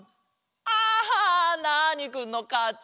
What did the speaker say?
あナーニくんのかち！